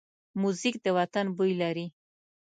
موزیک د وطن بوی لري.